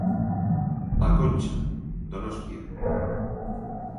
A Concha, Donostia.